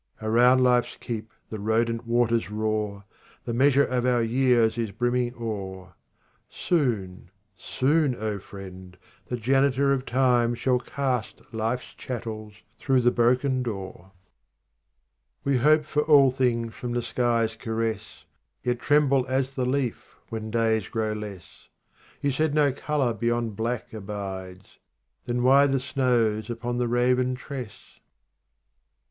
55 " Around Life's keep the rodent waters roar ; The measure of our years is brimming o'er. Soon, soon, O friend, the janitor of Time Shall cast Life's chattels through the broken door, RUBAIYAT OF HAFIZ 53 56 *' We hope for all things from the sky's caress, Yet tremble as the leaf when days grow less. You said no colour beyond black abides ; Then why the snows upon the raven tress